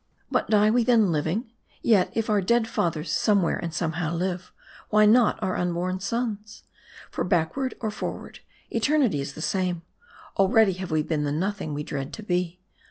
But die we then living ? Yet if our dead fathers somewhere and somehow live, why not our unborn sons ? For backward or forward, eternity is the same ; already have we been the nothing we dread to be.